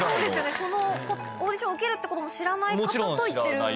そのオーディションを受けるってことも知らない方と行ってるんですもんね。